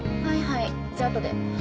じゃあ後で。